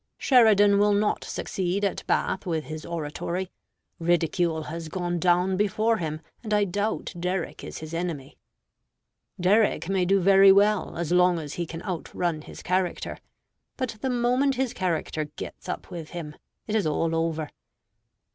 "Sheridan will not succeed at Bath with his oratory. Ridicule has gone down before him, and I doubt Derrick is his enemy." "Derrick may do very well, as long as he can outrun his character; but the moment his character gets up with him, it is all over."